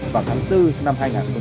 vào tháng bốn năm hai nghìn một mươi chín